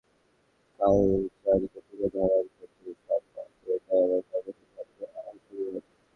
ইরানের বুকে বাংলাদেশের কৃষ্টি-কালচারকে তুলে ধরার ক্ষেত্রে সম্ভবত এটাই আমার সর্বশেষ অংশগ্রহণ।